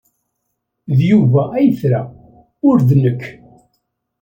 D Yuba ay tra, ur d nekk.